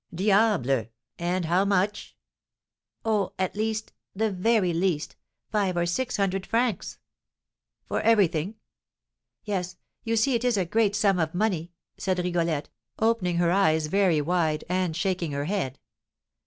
"Diable! and how much?" "Oh, at least the very least, five or six hundred francs." "For everything?" "Yes; you see it is a great sum of money," said Rigolette, opening her eyes very wide and shaking her head.